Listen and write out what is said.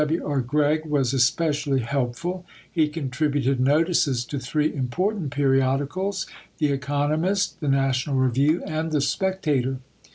W. R. Greg was especially helpful; he contributed notices to three important periodicals the Economist, the National Review, and the Spectator.